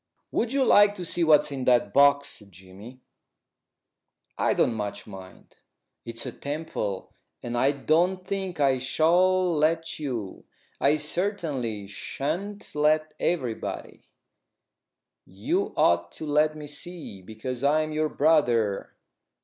"Would you like to see what's in that box, Jimmy?" "I don't much mind." "It's a temple, and I don't think I shall let you. I certainly shan't let everybody." "You ought to let me see, because I'm your brother."